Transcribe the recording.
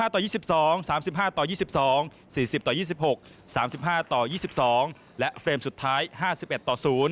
ต่อ๒๒๓๕ต่อ๒๒๔๐ต่อ๒๖๓๕ต่อ๒๒และเฟรมสุดท้าย๕๑ต่อ๐